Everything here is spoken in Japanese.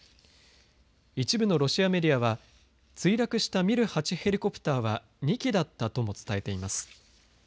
一部のロシアメディアは墜落したＭｉ８ヘリコプターは２機だったとも伝えています。